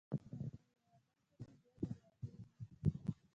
مخامخ د غره یوه برخه کې دوه دروازې دي.